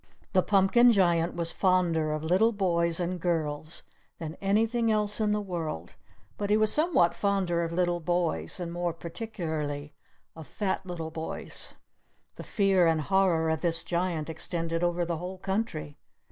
The Pumpkin Giant was fonder of little boys and girls than anything else in the world; but he was somewhat fonder of little boys, and more particularly of fat little boys. The fear and horror of this Giant extended over the whole country.